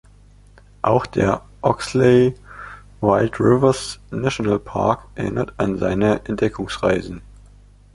Auch der Oxley-Wild-Rivers-Nationalpark erinnert an seine Entdeckungsreisen.